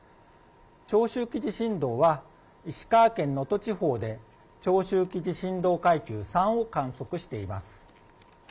長周期地震動は、石川県能登地方で長周期地震動階級３を観測しています。